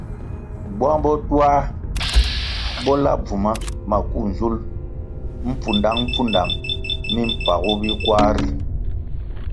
Bwang bo twā bo la bvuma maku nzulʼ mpfudangpfudang mimpagu mi kwar ri.